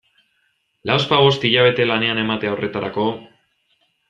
Lauzpabost hilabete lanean ematea horretarako...